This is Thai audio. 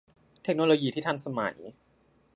เทคโนโลยีที่ทันสมัย